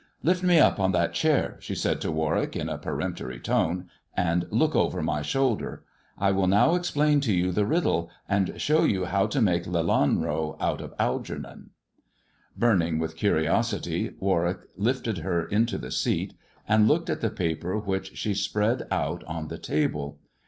" Lift me up on that chair," she said to Warwick in a peremptory tone, '* and look over my shoulder. I will now explain to you the riddle, and show you how to make Lelanro out of Algernon." Burning with curiosity, Warwick lifted her into the seat, and looked at the paper which she spread out on the table.